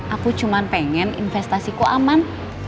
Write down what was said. aku cuma pengen investasiku aman